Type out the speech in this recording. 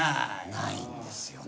ないんですよね。